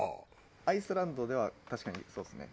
アイスランドでは確かにそうですね。